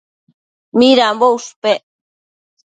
Midambo ushpec